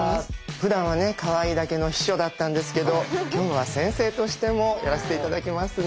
ふだんはねかわいいだけの秘書だったんですけど今日は先生としてもやらせて頂きますね。